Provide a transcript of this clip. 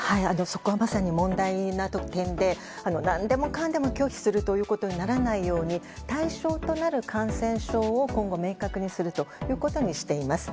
そこはまさに問題な点で何でもかんでも拒否するということにならないように対象となる感染症を今後明確にするとしています。